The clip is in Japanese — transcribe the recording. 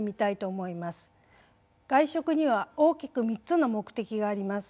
外食には大きく３つの目的があります。